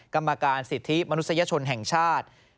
กรรมการสิทธิมนุษยชนแห่งชาติ